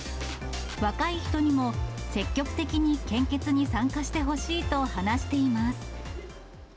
若い人にも積極的に献血に参加してほしいと話しています。